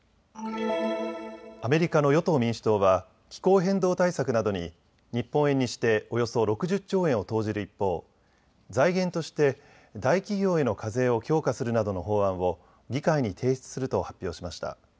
アメリカの与党・民主党は気候変動対策などに日本円にしておよそ６０兆円を投じる一方、財源として大企業への課税を強化するなどの法案を議会に提出すると発表しました。